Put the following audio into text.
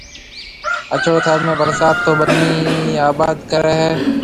اڇڙو ٿر ۾ ڀرسات تَي ٻنِي آباد ڪرَي ھيََََ